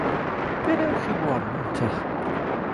Be wnewch chwi rwan, ynte?